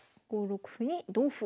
５六歩に同歩。